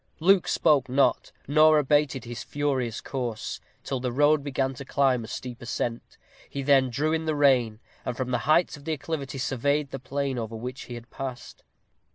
Luke spoke not, nor abated his furious course, till the road began to climb a steep ascent. He then drew in the rein, and from the heights of the acclivity surveyed the plain over which he had passed.